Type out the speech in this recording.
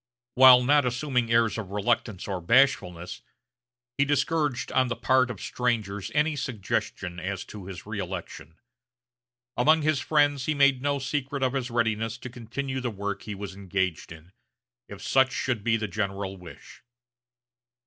While not assuming airs of reluctance or bashfulness, he discouraged on the part of strangers any suggestion as to his reëlection. Among his friends he made no secret of his readiness to continue the work he was engaged in, if such should be the general wish.